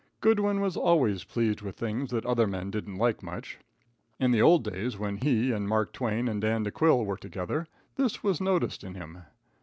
Goodwin was always pleased with things that other men didn't like much. In the old days, when he and Mark Twain and Dan DeQuille were together, this was noticed in him.